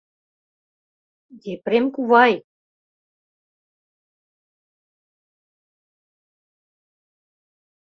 — Епрем кувай!..